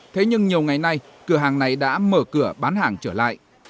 thế nhưng nhiều ngày nay cửa hàng này đã mở cửa bán hàng trở lại